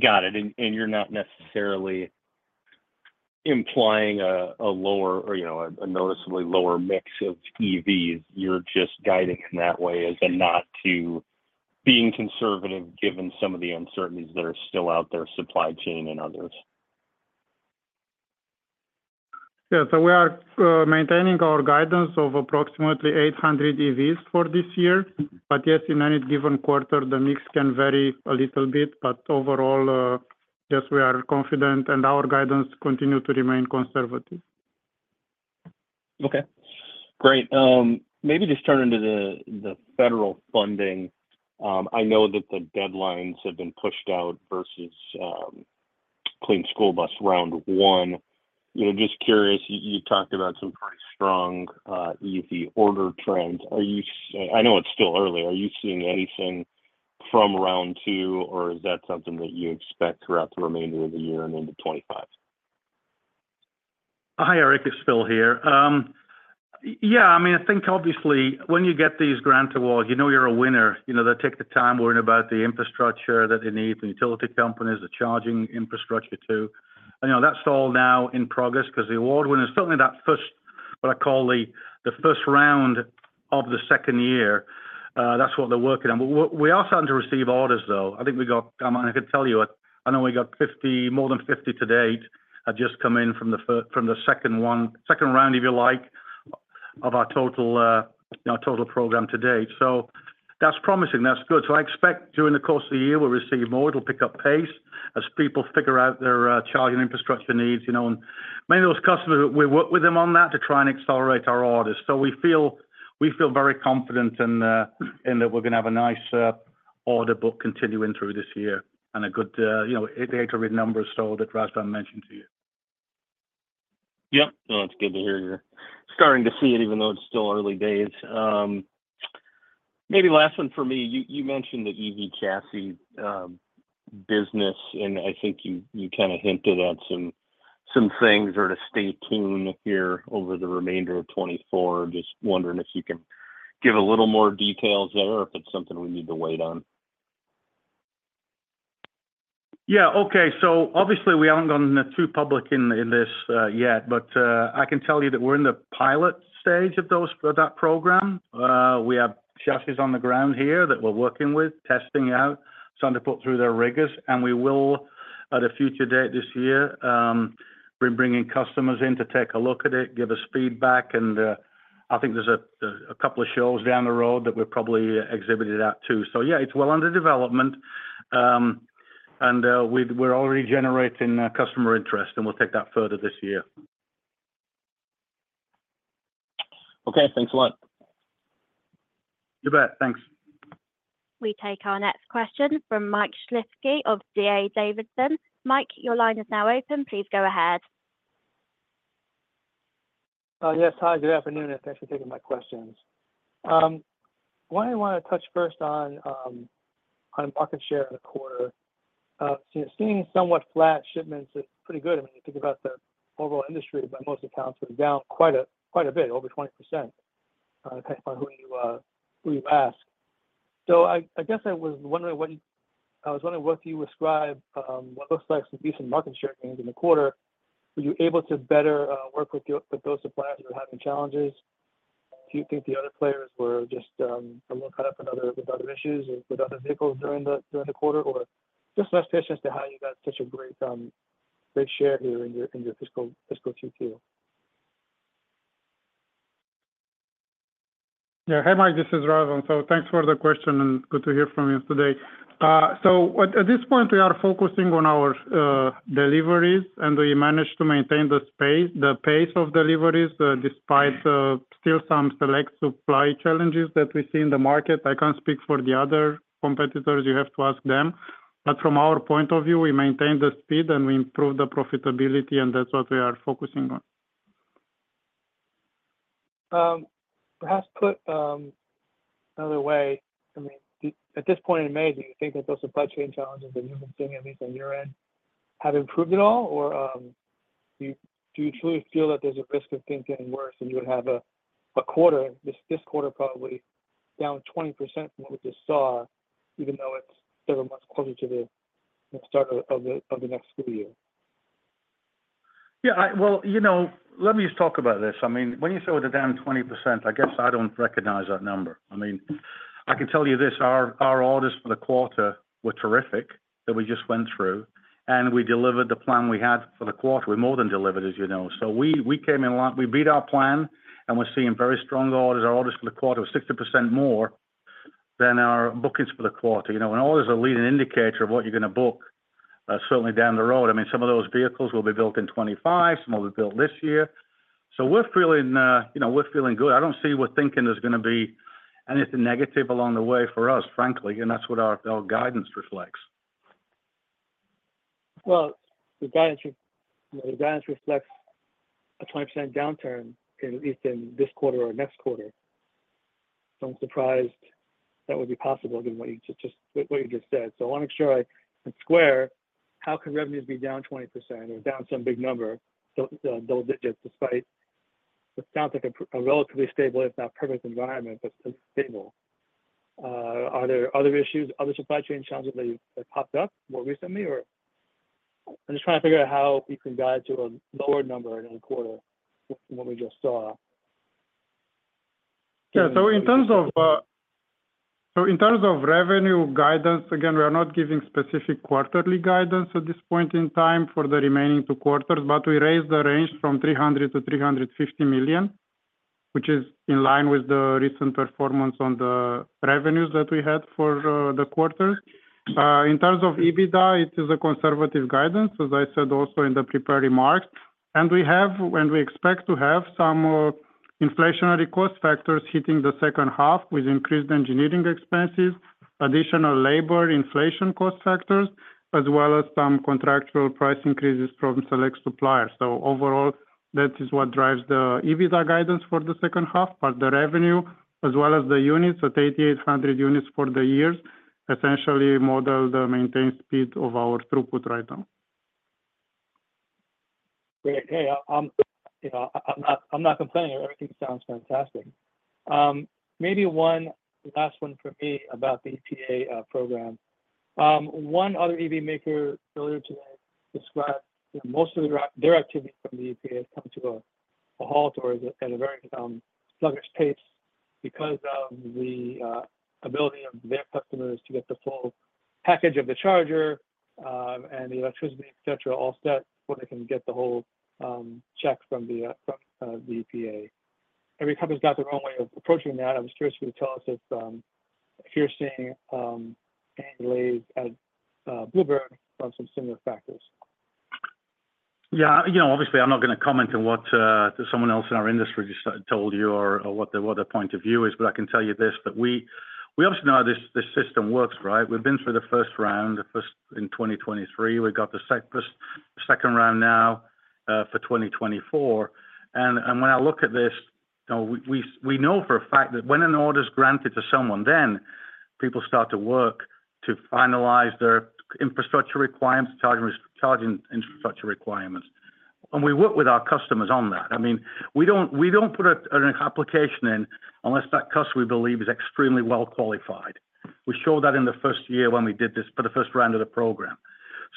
Got it. And you're not necessarily implying a lower or, you know, a noticeably lower mix of EVs. You're just guiding in that way as a nod to being conservative, given some of the uncertainties that are still out there, supply chain and others. Yeah. So we are maintaining our guidance of approximately 800 EVs for this year. But yes, in any given quarter, the mix can vary a little bit. But overall, yes, we are confident and our guidance continue to remain conservative. Okay, great. Maybe just turning to the federal funding. I know that the deadlines have been pushed out versus clean school bus round one. You know, just curious, you talked about some pretty strong EV order trends. Are you—I know it's still early, are you seeing anything from round two, or is that something that you expect throughout the remainder of the year and into 25? Hi, Eric, it's Phil here. Yeah, I mean, I think obviously when you get these grant awards, you know you're a winner. You know, they take the time worrying about the infrastructure that they need, the utility companies, the charging infrastructure, too. I know that's all now in progress because the award winners, certainly that first, what I call the, the first round of the second year, that's what they're working on. But we, we are starting to receive orders, though. I think we got, I could tell you, I know we got 50, more than 50 to date, have just come in from the second one, second round, if you like, of our total, our total program to date. So that's promising, that's good. So I expect during the course of the year, we'll receive more. It'll pick up pace as people figure out their charging infrastructure needs, you know, and many of those customers, we work with them on that to try and accelerate our orders. So we feel, we feel very confident in that we're going to have a nice order book continuing through this year and a good, you know, 8-800 numbers sold that Razvan mentioned to you. Yep. No, it's good to hear you're starting to see it, even though it's still early days. Maybe last one for me. You mentioned the EV chassis business, and I think you kind of hinted at some things are to stay tuned here over the remainder of 2024. Just wondering if you can give a little more details there or if it's something we need to wait on. Yeah. Okay. So obviously, we haven't gone too public in this yet, but I can tell you that we're in the pilot stage of those for that program. We have chassis on the ground here that we're working with, testing out, starting to put through their rigors. And we will, at a future date this year, we're bringing customers in to take a look at it, give us feedback, and I think there's a couple of shows down the road that we're probably exhibited at, too. So yeah, it's well under development. And we're already generating customer interest, and we'll take that further this year.... Okay, thanks a lot. You bet. Thanks. We take our next question from Mike Shlisky of D.A. Davidson. Mike, your line is now open. Please go ahead. Yes, hi, good afternoon, and thanks for taking my questions. What I want to touch first on, on market share in the quarter. So seeing somewhat flat shipments is pretty good. I mean, you think about the overall industry, by most accounts, were down quite a, quite a bit, over 20%, depending on who you, who you ask. So I, I guess I was wondering what you—I was wondering what you ascribe, what looks like some decent market share gains in the quarter. Were you able to better, work with your, with those suppliers who are having challenges? Do you think the other players were just, a little caught up in other, with other issues or with other vehicles during the, during the quarter? Or just less patient as to how you got such a great, great share here in your, in your fiscal, fiscal Q2. Yeah. Hi, Mike, this is Razvan. So thanks for the question, and good to hear from you today. So at this point, we are focusing on our deliveries, and we managed to maintain the pace, the pace of deliveries, despite still some select supply challenges that we see in the market. I can't speak for the other competitors, you have to ask them. But from our point of view, we maintained the speed, and we improved the profitability, and that's what we are focusing on. Perhaps put another way, I mean, at this point in May, do you think that those supply chain challenges that you've been seeing, at least on your end, have improved at all? Or, do you truly feel that there's a risk of things getting worse and you would have a quarter, this quarter probably down 20% from what we just saw, even though it's several months closer to the start of the next fiscal year? Yeah, Well, you know, let me just talk about this. I mean, when you say we're down 20%, I guess I don't recognize that number. I mean, I can tell you this, our, our orders for the quarter were terrific, that we just went through, and we delivered the plan we had for the quarter. We more than delivered, as you know. So we, we came in line. We beat our plan, and we're seeing very strong orders. Our orders for the quarter was 60% more than our bookings for the quarter. You know, and orders are a leading indicator of what you're going to book, certainly down the road. I mean, some of those vehicles will be built in 2025, some will be built this year. So we're feeling, you know, we're feeling good. I don't see what thinking there's gonna be anything negative along the way for us, frankly, and that's what our, our guidance reflects. Well, the guidance, the guidance reflects a 20% downturn in at least in this quarter or next quarter. So I'm surprised that would be possible, given what you just said. So I want to make sure I square, how could revenues be down 20% or down some big number, so, double digits, despite what sounds like a relatively stable, if not perfect, environment, but still stable? Are there other issues, other supply chain challenges that popped up more recently? Or I'm just trying to figure out how you can guide to a lower number in the quarter from what we just saw. Yeah. So in terms of, so in terms of revenue guidance, again, we are not giving specific quarterly guidance at this point in time for the remaining two quarters, but we raised the range from $300 million-$350 million, which is in line with the recent performance on the revenues that we had for the quarter. In terms of EBITDA, it is a conservative guidance, as I said, also in the prepared remarks. And we have, and we expect to have some inflationary cost factors hitting the second half with increased engineering expenses, additional labor inflation cost factors, as well as some contractual price increases from select suppliers. So overall, that is what drives the EBITDA guidance for the second half, but the revenue, as well as the units, at 8,800 units for the year, essentially model the maintained speed of our throughput right now. Great. Hey, you know, I'm not, I'm not complaining. Everything sounds fantastic. Maybe one last one for me about the EPA program. One other EV maker earlier today described, you know, most of their their activity from the EPA has come to a halt or at a very sluggish pace because of the ability of their customers to get the full package of the charger and the electricity, et cetera, all set where they can get the whole check from the EPA. Every company's got their own way of approaching that. I was curious if you'd tell us if you're seeing any delays at Blue Bird on some similar factors. Yeah, you know, obviously, I'm not going to comment on what someone else in our industry just told you or what their point of view is, but I can tell you this, that we obviously know how this system works, right? We've been through the first round, the first in 2023. We've got the second round now for 2024. And when I look at this, you know, we know for a fact that when an order is granted to someone, then people start to work to finalize their infrastructure requirements, charging infrastructure requirements. And we work with our customers on that. I mean, we don't put an application in unless that customer we believe is extremely well qualified. We showed that in the first year when we did this for the first round of the program.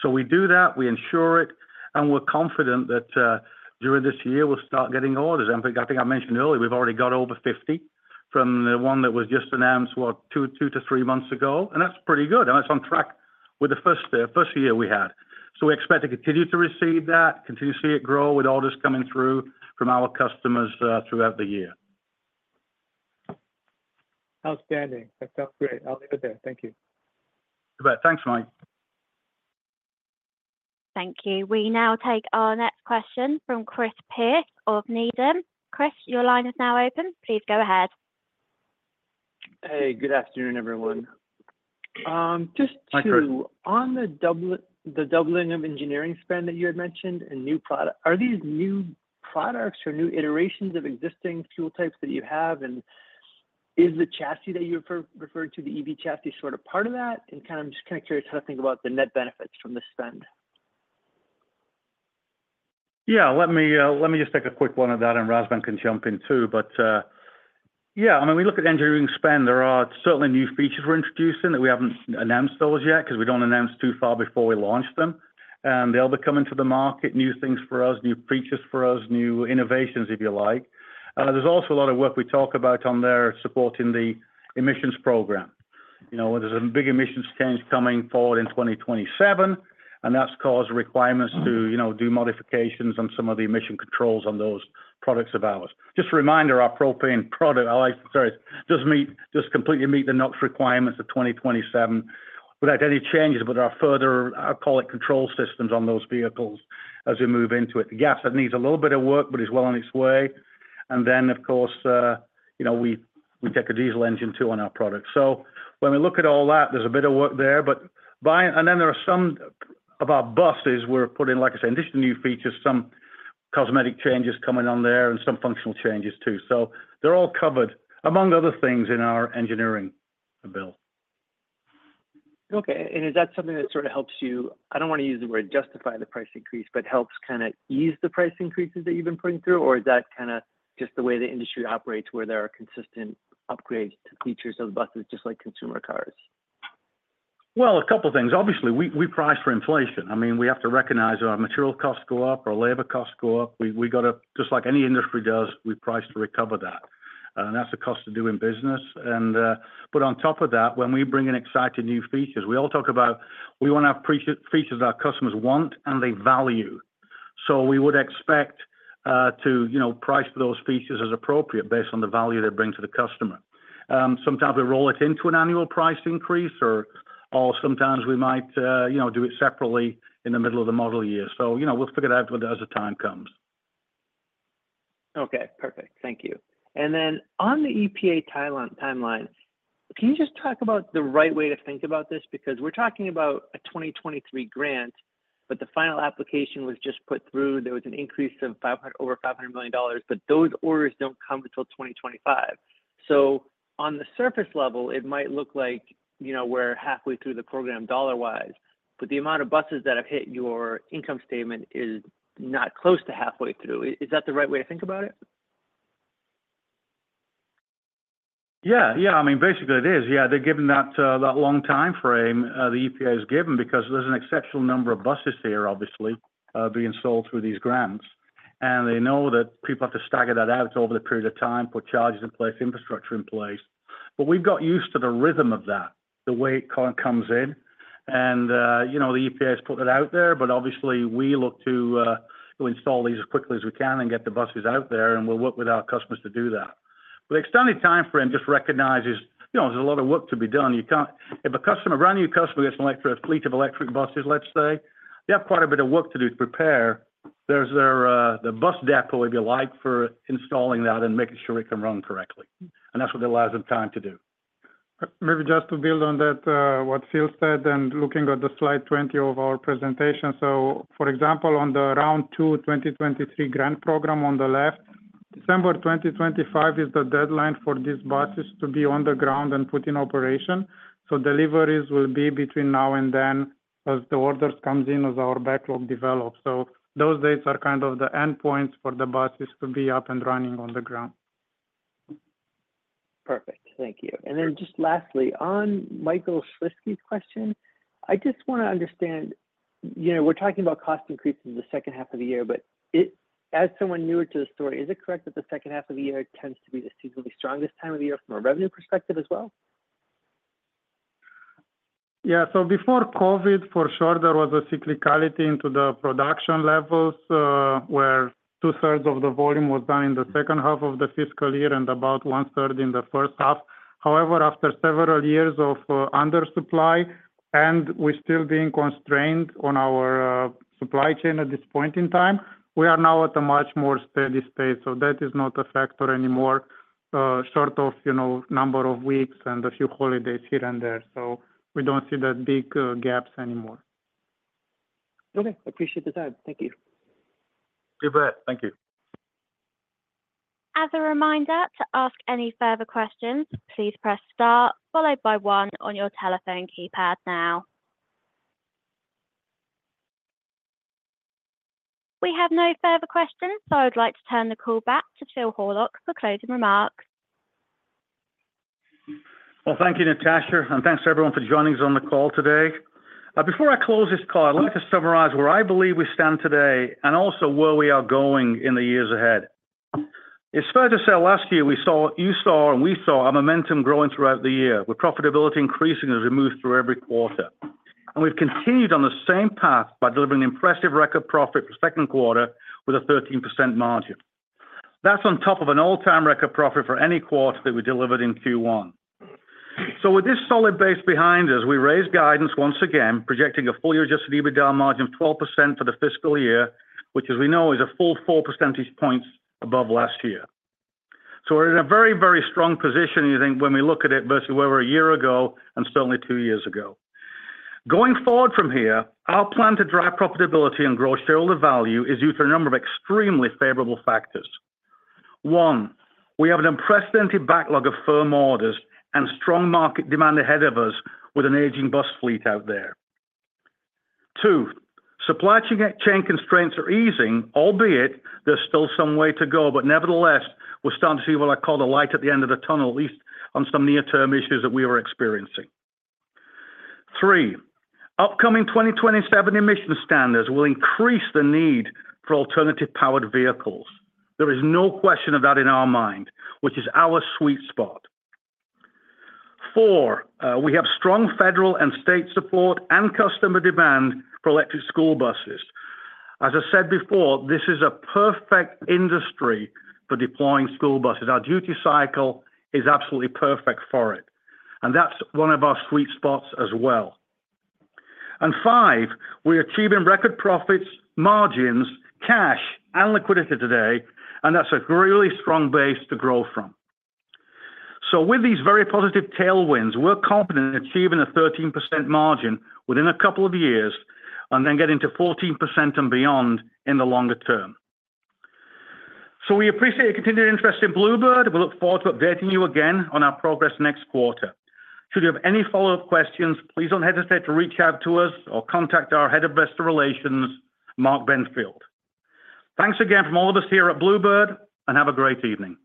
So we do that, we ensure it, and we're confident that during this year, we'll start getting orders. I think I mentioned earlier, we've already got over 50 from the one that was just announced, two to three months ago, and that's pretty good, and that's on track with the first year we had. So we expect to continue to receive that, continue to see it grow with orders coming through from our customers throughout the year. Outstanding. That sounds great. I'll leave it there. Thank you. You bet. Thanks, Mike. ... Thank you. We now take our next question from Chris Pierce of Needham. Chris, your line is now open. Please go ahead. Hey, good afternoon, everyone. Just to- Hi, Chris. On the doubling of engineering spend that you had mentioned and new product, are these new products or new iterations of existing fuel types that you have? And is the chassis that you referred to the EV chassis, sort of part of that? And kind of just kinda curious how to think about the net benefits from the spend. Yeah, let me just take a quick one of that, and Razvan can jump in, too. But, yeah, I mean, we look at engineering spend, there are certainly new features we're introducing that we haven't announced those yet, 'cause we don't announce too far before we launch them. They'll be coming to the market, new things for us, new features for us, new innovations, if you like. There's also a lot of work we talk about on there, supporting the emissions program. You know, there's a big emissions change coming forward in 2027, and that's caused requirements to, you know, do modifications on some of the emission controls on those products of ours. Just a reminder, our propane product, I like-- sorry, does meet, does completely meet the NOx requirements of 2027 without any changes. But there are further, I call it, control systems on those vehicles as we move into it. The gas that needs a little bit of work, but is well on its way. And then, of course, you know, we take a diesel engine, too, on our product. So when we look at all that, there's a bit of work there, but by-- And then there are some of our buses we're putting, like I said, in addition to new features, some cosmetic changes coming on there and some functional changes, too. So they're all covered, among other things, in our engineering bill. Okay. And is that something that sort of helps you, I don't wanna use the word justify the price increase, but helps kinda ease the price increases that you've been putting through, or is that kinda just the way the industry operates, where there are consistent upgrades to features of the buses, just like consumer cars? Well, a couple of things. Obviously, we price for inflation. I mean, we have to recognize our material costs go up, our labor costs go up. We gotta, just like any industry does, we price to recover that. And that's the cost of doing business. But on top of that, when we bring in exciting new features, we all talk about, we wanna have premium features that our customers want and they value. So we would expect to, you know, price those features as appropriate based on the value they bring to the customer. Sometimes we roll it into an annual price increase or sometimes we might, you know, do it separately in the middle of the model year. So, you know, we'll figure it out as the time comes. Okay, perfect. Thank you. And then on the EPA timeline, can you just talk about the right way to think about this? Because we're talking about a 2023 grant, but the final application was just put through. There was an increase of over $500 million, but those orders don't come until 2025. So on the surface level, it might look like, you know, we're halfway through the program dollar-wise, but the amount of buses that have hit your income statement is not close to halfway through. Is that the right way to think about it? Yeah. Yeah, I mean, basically it is. Yeah, they're given that, that long time frame, the EPA is given, because there's an exceptional number of buses there, obviously, being sold through these grants. And they know that people have to stagger that out over the period of time, put charges in place, infrastructure in place. But we've got used to the rhythm of that, the way it kind of comes in. And, you know, the EPA has put that out there, but obviously we look to, to install these as quickly as we can and get the buses out there, and we'll work with our customers to do that. The extended time frame just recognizes, you know, there's a lot of work to be done. If a customer, a brand new customer, gets an electric, a fleet of electric buses, let's say, they have quite a bit of work to do to prepare. There's their, the bus depot, if you like, for installing that and making sure it can run correctly, and that's what it allows them time to do. Maybe just to build on that, what Phil said, and looking at the Slide 20 of our presentation. So for example, on the Round 2 2023 Grant Program on the left, December 2025 is the deadline for these buses to be on the ground and put in operation. So deliveries will be between now and then as the orders comes in, as our backlog develops. So those dates are kind of the endpoints for the buses to be up and running on the ground. Perfect. Thank you. Sure. And then just lastly, on Michael Shlisky's question, I just wanna understand, you know, we're talking about cost increases in the second half of the year, but as someone newer to the story, is it correct that the second half of the year tends to be the seasonally strongest time of the year from a revenue perspective as well? Yeah. So before COVID, for sure, there was a cyclicality into the production levels, where two-thirds of the volume was done in the second half of the fiscal year and about one-third in the first half. However, after several years of undersupply, and we're still being constrained on our supply chain at this point in time, we are now at a much more steady state, so that is not a factor anymore, short of, you know, number of weeks and a few holidays here and there. So we don't see that big gaps anymore. Okay, appreciate the time. Thank you. You bet. Thank you. As a reminder, to ask any further questions, please press star, followed by one on your telephone keypad now. We have no further questions, so I'd like to turn the call back to Phil Horlock for closing remarks. Well, thank you, Natasha, and thanks to everyone for joining us on the call today. Before I close this call, I'd like to summarize where I believe we stand today and also where we are going in the years ahead. It's fair to say last year, we saw, you saw and we saw our momentum growing throughout the year, with profitability increasing as we moved through every quarter. We've continued on the same path by delivering impressive record profit for second quarter with a 13% margin. That's on top of an all-time record profit for any quarter that we delivered in Q1. With this solid base behind us, we raised guidance once again, projecting a full year Adjusted EBITDA margin of 12% for the fiscal year, which, as we know, is a full four percentage points above last year. So we're in a very, very strong position, I think, when we look at it versus where we were a year ago and certainly two years ago. Going forward from here, our plan to drive profitability and grow shareholder value is due to a number of extremely favorable factors. One, we have an unprecedented backlog of firm orders and strong market demand ahead of us with an aging bus fleet out there. Two, supply chain constraints are easing, albeit there's still some way to go, but nevertheless, we're starting to see what I call the light at the end of the tunnel, at least on some near-term issues that we were experiencing. Three, upcoming 2027 emission standards will increase the need for alternative powered vehicles. There is no question of that in our mind, which is our sweet spot. Four, we have strong federal and state support and customer demand for electric school buses. As I said before, this is a perfect industry for deploying school buses. Our duty cycle is absolutely perfect for it, and that's one of our sweet spots as well. And five, we're achieving record profits, margins, cash, and liquidity today, and that's a really strong base to grow from. So with these very positive tailwinds, we're confident in achieving a 13% margin within a couple of years, and then getting to 14% and beyond in the longer term. So we appreciate your continued interest in Blue Bird. We look forward to updating you again on our progress next quarter. Should you have any follow-up questions, please don't hesitate to reach out to us or contact our Head of Investor Relations, Mark Benfield. Thanks again from all of us here at Blue Bird, and have a great evening.